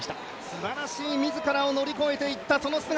すばらしい、自らを乗り越えていったその姿。